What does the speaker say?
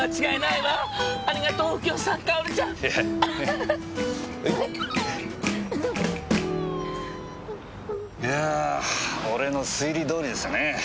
いや俺の推理通りでしたね。